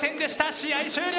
試合終了。